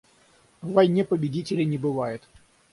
В войне победителей не бывает.